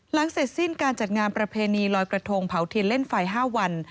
เสร็จสิ้นการจัดงานประเพณีลอยกระทงเผาเทียนเล่นไฟ๕วัน